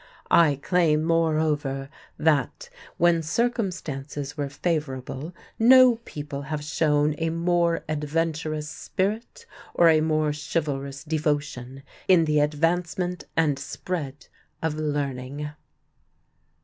I claim, moreover, that, when circumstances were favorable, no people have shown a more adventurous spirit or a more chivalrous devotion in the advancement and spread of learning.